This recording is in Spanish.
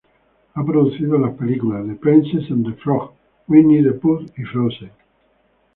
Ha producido las películas "The Princess and the Frog", "Winnie the Pooh" y "Frozen".